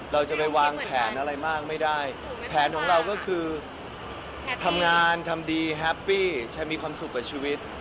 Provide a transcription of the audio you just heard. เราจะไปวางแผนอะไรมากไม่ได้แผนของเราก็คือทำงานทำดีแฮปปี้จะมีความสุขกับชีวิต